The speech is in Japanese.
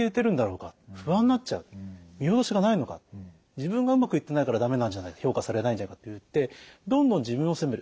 自分がうまくいってないから駄目なんじゃないか評価されないんじゃないかといってどんどん自分を責める。